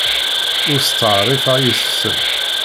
Ur steɛṛifeɣ yes-sen.